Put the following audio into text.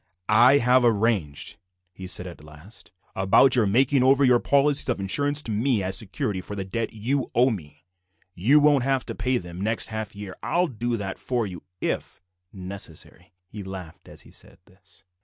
"I have arranged," he said at last, "about your making over your policies of insurance to me as security for the debt you owe me. You won't have to pay them next half year, I'll do that for you if necessary." He laughed as he said this.